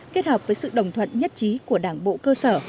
kết hợp với sự đồng thuận nhất trí của đảng bộ cơ sở